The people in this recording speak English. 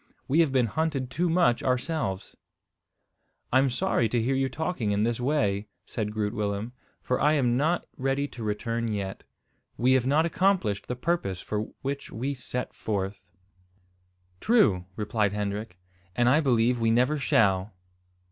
We have been hunted too much ourselves." "I'm sorry to hear you talking in this way," said Groot Willem, "for I am not ready to return yet. We have not accomplished the purpose for which we set forth." "True," replied Hendrik, "and I believe we never shall."